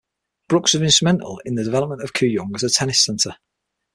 Brookes was instrumental in the development of Kooyong as a tennis centre.